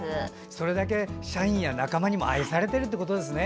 それだけ社員や仲間たちに愛されているということですね。